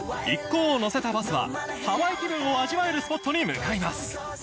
一行を乗せたバスはハワイ気分を味わえるスポットに向かいます